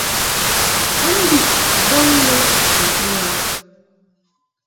A mbiʼ bɛn lɛ chəd mɨ a.